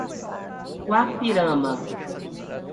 Guapirama